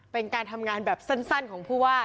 เป็นการทำงานแบบสั้นของผู้ว่า